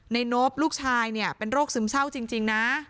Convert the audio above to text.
นบลูกชายเนี่ยเป็นโรคซึมเศร้าจริงนะ